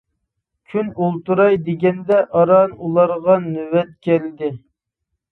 كۈن ئولتۇراي دېگەندە ئاران ئۇلارغا نۆۋەت كەلدى.